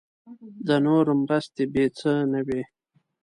د نورو مرستې بې څه نه وي.